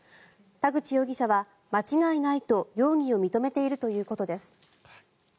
田口容疑者は間違いないと容疑を認めているということです。